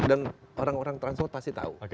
dan orang orang transportasi pasti tahu